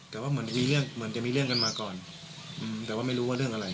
แต่ว่าเหมือนมีเรื่องเหมือนจะมีเรื่องกันมาก่อนแต่ว่าไม่รู้ว่าเรื่องอะไร